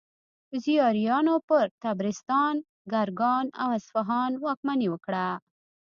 زیاریانو پر طبرستان، ګرګان او اصفهان واکمني وکړه.